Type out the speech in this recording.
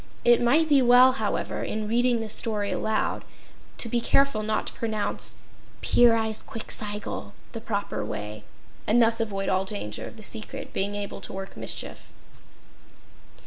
It might be well, however, in reading this story aloud, to be careful not to pronounce Pyrzqxgl the proper way, and thus avoid all danger of the secret being able to work mischief.